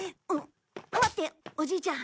待っておじいちゃん！